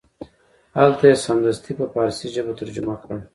هلته یې سمدستي په فارسي ژبه ترجمه کړ.